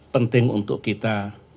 penting untuk kita